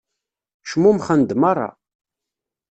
Cmumxen-d meṛṛa.